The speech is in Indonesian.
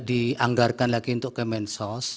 dianggarkan lagi untuk ke mensos